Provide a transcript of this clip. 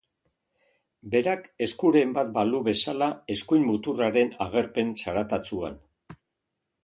Berak eskuren bat balu bezala eskuin muturraren agerpen zaratatsuan.